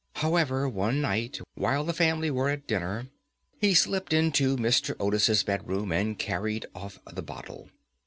However, one night, while the family were at dinner, he slipped into Mr. Otis's bedroom and carried off the bottle.